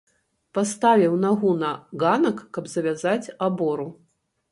Паставіў нагу на ганак, каб завязаць абору.